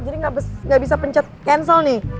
jadi gak bisa pencet cancel nih